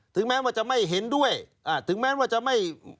ถึงแม้ว่าจะไม่เห็นด้วยถึงแม้ว่าจะไม่